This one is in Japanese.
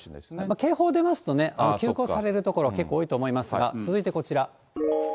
警報出ますとね、休校される所、結構多いと思いますが、続いてこちら。